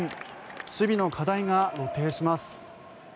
守備の課題が露呈します。